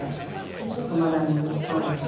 でちょっとまだ水っぽいので。